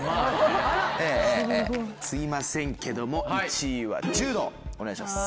すいませんけども１位は柔道お願いします。